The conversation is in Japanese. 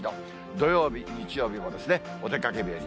土曜日、日曜日もお出かけ日和。